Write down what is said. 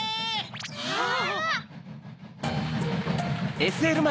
・あっ！